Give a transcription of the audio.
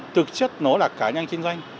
thực chất nó là cá nhân kinh doanh